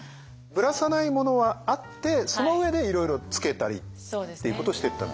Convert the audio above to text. ぶらさないものはあってその上でいろいろつけたりっていうことをしていった。